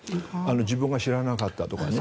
自分は知らなかったとか。